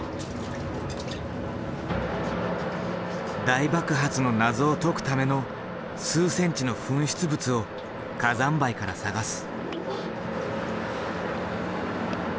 大爆発の謎を解くための数センチの噴出物を火山灰から探す。